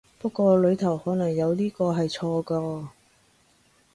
不過裡頭可能有呢個係錯個